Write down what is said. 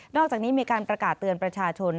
อกจากนี้มีการประกาศเตือนประชาชน